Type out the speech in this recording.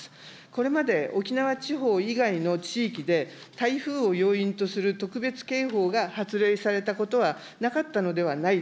これまで沖縄地方以外の地域で、台風を要因とする特別警報が発令されたことはなかったのではない